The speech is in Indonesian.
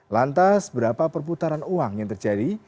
lantas berapa perputaran uang yang terjadi